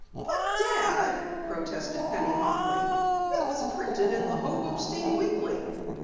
"But Dad," protested Penny hotly. "It was printed in the Hobostein Weekly."